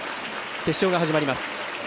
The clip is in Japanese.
決勝が始まります。